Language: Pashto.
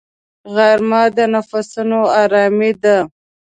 غرمه د نفسونو آرامي ده